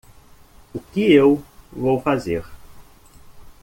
O que eu vou fazer?